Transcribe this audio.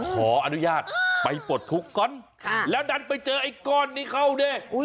ขออนุญาตไปปลดทุกข์ก่อนแล้วดันไปเจอไอ้ก้อนนี้เข้าดิ